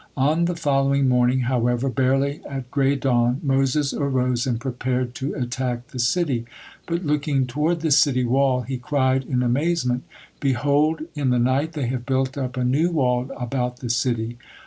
On the following morning, however, barely at gray dawn, Moses arose and prepared to attack the city, but looking toward the city wall, he cried in amazement, "Behold, in the night they have built up a new wall about the city!"